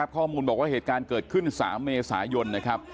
ข้อมูลบอกว่าเหตุการณ์เกิดขึ้น๓เมษายนนะครับ